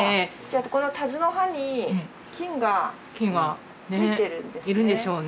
このタズの葉に菌がついてるんですね。